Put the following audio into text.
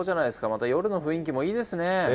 また夜の雰囲気もいいですね。